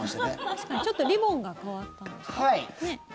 確かにちょっとリボンが変わったんですね。